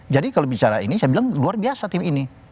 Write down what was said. jadi kalau bicara ini saya bilang luar biasa tim ini